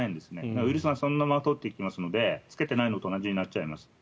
ウイルスがそのまま通っていきますので着けていないのと同じになっちゃいます。